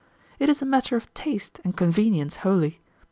It is a matter of taste and convenience wholly.